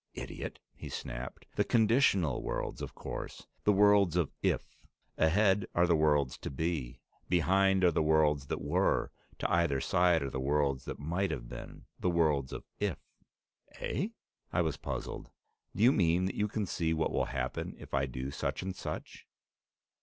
"Idiot!" he snapped. "The conditional worlds, of course! The worlds of 'if.' Ahead are the worlds to be; behind are the worlds that were; to either side are the worlds that might have been the worlds of 'if!'" "Eh?" I was puzzled. "Do you mean that you can see what will happen if I do such and such?"